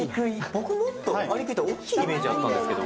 僕、もっとありくいって大きいイメージあったんですけど。